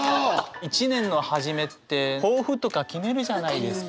一年の初めって抱負とか決めるじゃないですか。